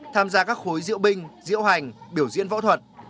tham gia các khối diễu binh diễu hành biểu diễn võ thuật